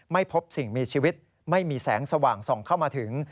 ไม่พบสิ่งมีชีวิตไม่มีแสงสว่างส่องเข้ามาถึง